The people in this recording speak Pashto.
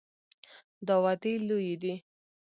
دا وعدې لویې دي.